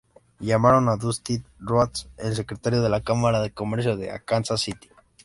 Llamaron a Dusty Rhoads, el secretario de la Cámara de Comercio de Arkansas City.